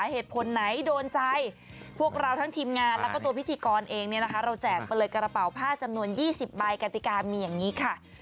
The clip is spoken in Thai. เหตุผลไหนโดนใจพวกเราทั้งทีมงานแล้วก็ตัวพิธีกรเองเนี่ยนะคะเราแจกไปเลยกระเป๋าผ้าจำนวน๒๐ใบกติกามีอย่างนี้ค่ะ